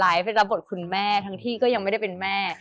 ไปรับบทคุณแม่ทั้งที่ก็ยังไม่ได้เป็นแม่